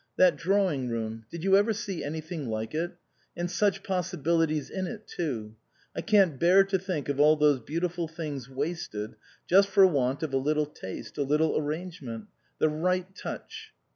"That dra wing room did you ever see anything like it? And such possibilities in it, too. I can't bear to think of all those beautiful things wasted, just for want of a little taste, a little arrangement the right touch."